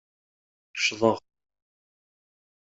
Ccḍeɣ.